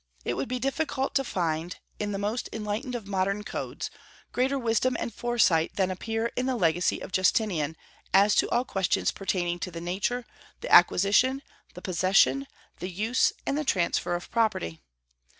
It would be difficult to find in the most enlightened of modern codes greater wisdom and foresight than appear in the legacy of Justinian as to all questions pertaining to the nature, the acquisition, the possession, the use, and the transfer of property.